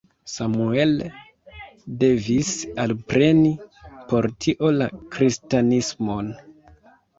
Samuel devis alpreni por tio la kristanismon.